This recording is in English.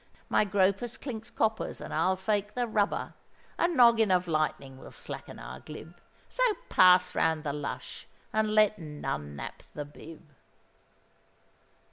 My gropus clinks coppers, and I'll fake the rubber: A noggin of lightning will slacken our glib; So pass round the lush, and let none nap the bib.